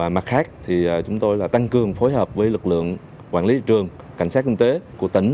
mặt khác chúng tôi tăng cường phối hợp với lực lượng quản lý trường cảnh sát kinh tế của tỉnh